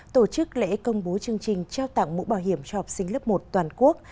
tổ chức lễ công bố chương trình trao tặng mũ bảo hiểm cho học sinh lớp một toàn quốc